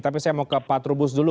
tapi saya mau ke pak trubus dulu